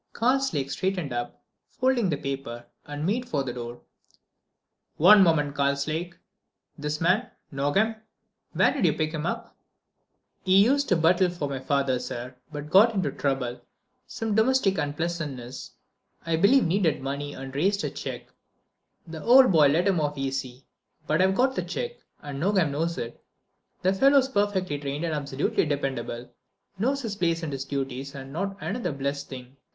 Karslake straightened up, folding the paper, and made for the door. "One moment, Karslake.... This man, Nogam: where did you pick him up?" "He used to buttle for my father, sir, but got into trouble—some domestic unpleasantness, I believe—needed money, and raised a cheque. The old boy let him off easy; but I've got the cheque, and Nogam knows it. The fellow's perfectly trained and absolutely dependable, knows his place and his duties and not another blessed thing.